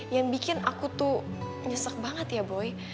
yang bikin aku tuh nyesek banget ya boy